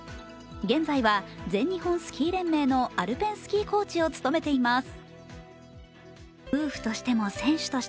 現在は全日本スキー連盟のアルペンコーチを務めています。